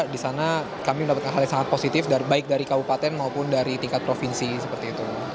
di sana kami mendapatkan hal yang sangat positif baik dari kabupaten maupun dari tingkat provinsi seperti itu